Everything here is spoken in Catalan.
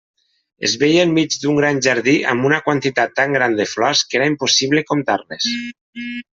Es veia enmig d'un gran jardí amb una quantitat tan gran de flors que era impossible comptar-les.